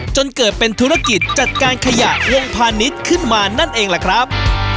จนเกิดเป็นธุรกิจจัดการขยะวงพาณิชย์ขึ้นมานั่นเองล่ะครับ